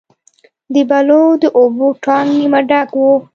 د بلو د اوبو ټانک نیمه ډک و.